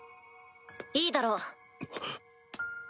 いいだろう。